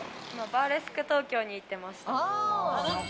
バーレスク東京に行ってました。